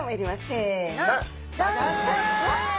せの。